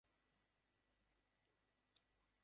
ছেলেটি তা মানতে নারাজ।